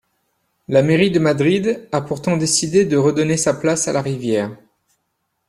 La mairie de Madrid a pourtant décidé de redonner sa place à la rivière.